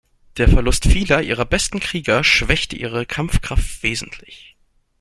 Der Verlust vieler ihrer besten Krieger schwächte ihre Kampfkraft wesentlich.